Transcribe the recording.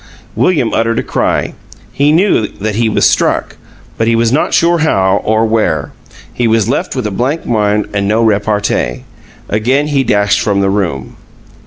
William uttered a cry; he knew that he was struck, but he was not sure how or where. He was left with a blank mind and no repartee. Again he dashed from the room.